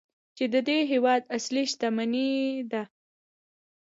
چې د دې هیواد اصلي شتمني ده.